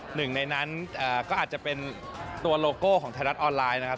หนึ่งในนั้นก็อาจจะเป็นตัวโลโก้ของไทยรัฐออนไลน์นะครับ